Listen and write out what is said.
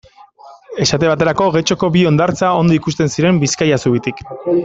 Esate baterako, Getxoko bi hondartza ondo ikusten ziren Bizkaia zubitik.